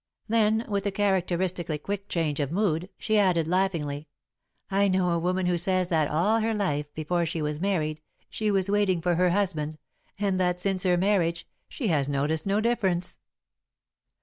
Then with a characteristically quick change of mood, she added, laughingly: "I know a woman who says that all her life, before she was married, she was waiting for her husband, and that since her marriage, she has noticed no difference."